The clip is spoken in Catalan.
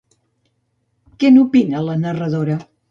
Què n'opina la narradora?